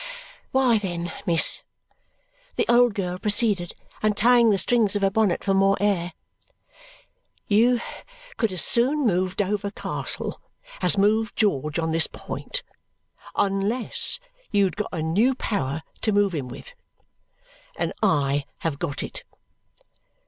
"Why, then, miss," the old girl proceeded, untying the strings of her bonnet for more air, "you could as soon move Dover Castle as move George on this point unless you had got a new power to move him with. And I have got it!"